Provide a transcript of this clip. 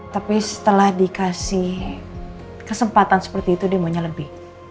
tapi setelah dikasih kesempatan seperti itu dia maunya lebih